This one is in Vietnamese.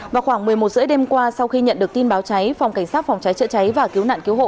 vào khoảng một mươi một h ba mươi đêm qua sau khi nhận được tin báo cháy phòng cảnh sát phòng cháy chữa cháy và cứu nạn cứu hộ